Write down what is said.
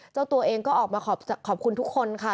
เจ้าตัวเองก็ออกมาขอบคุณทุกคนค่ะ